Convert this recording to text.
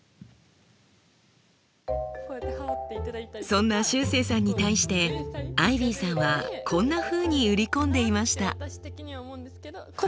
そんなしゅうせいさんに対してアイビーさんはこんなふうに売り込んでいました。